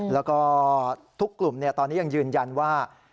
แล้วก็ทุกกลุ่มตอนนี้ยังยืนยันว่า